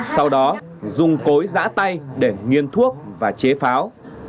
sau đó dùng cối giã tay để nghiên thuốc và chế pháo